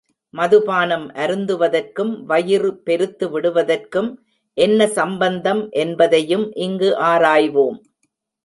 மதுபானம் அருந்துவதற்கும், வயிறு பெருத்து விடுவதற்கும் என்ன சம்பந்தம் என்பதையும் இங்கு ஆராய்வோம்.